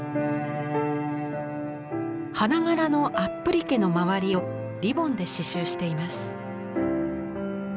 花柄のアップリケの周りをリボンで刺しゅうしています。